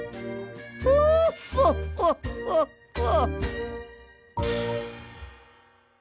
フォフォッフォッフォッフォ！